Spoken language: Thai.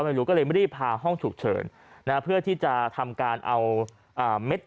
ไม่รู้ก็เลยรีบพาห้องฉุกเฉินนะเพื่อที่จะทำการเอาเม็ด